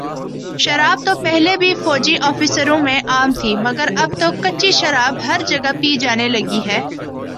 شراب تو پہلے بھی فوجی آفیسروں میں عام تھی مگر اب تو کچی شراب ہر جگہ پی جانے لگی ہے